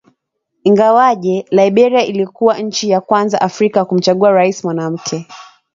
Ingawaje Liberia ilikuwa nchi ya kwanza Afrika kumchagua rais mwanamke